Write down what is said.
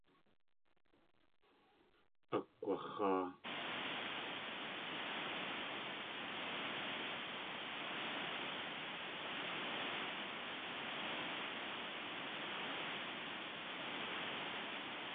Akg̲wax̲áa.